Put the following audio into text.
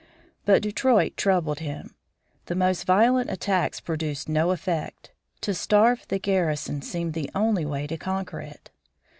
But Detroit troubled him. The most violent attacks produced no effect. To starve the garrison seemed the only way to conquer it.